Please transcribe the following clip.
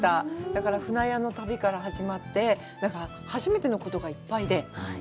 だから、舟屋の旅から始まって、初めてのことがいっぱいで。